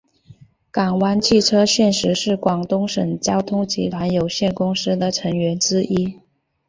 粤港汽车现时是广东省交通集团有限公司的成员之一。